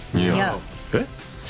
えっ？